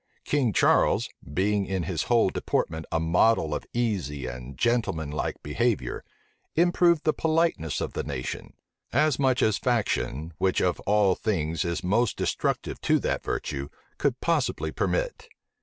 King Charles, being in his whole deportment a model of easy and gentleman like behavior, improved the politeness of the nation; as much as faction, which of all things is most destructive to that virtue, could possibly permit.